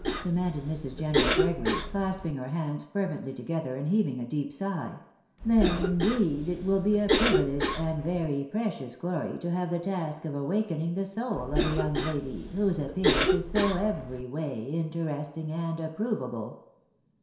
de manded IMrs. General Gregory, clasping her hands fervently to gether, and heavstig a deep sigh ;" then, indeed, it will be a pri vilege and very precious glory to have the task of awakening the soul of a young lady whose appearance is so every way interesting and appro vable."